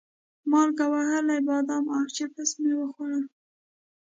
مالګه وهلي بادام او چپس مې وخوړل.